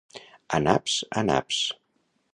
A naps, a naps.